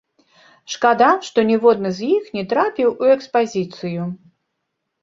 Шкада, што ніводны з іх не трапіў у экспазіцыю.